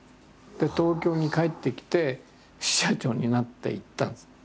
で東京に帰ってきて支社長になっていったんです。